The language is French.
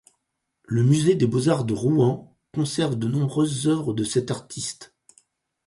Le musée des beaux-arts de Rouen conserve de nombreuses œuvres de cet artiste.